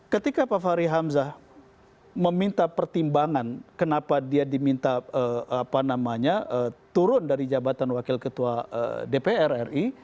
ketika pak fahri hamzah meminta pertimbangan kenapa dia diminta turun dari jabatan wakil ketua dpr ri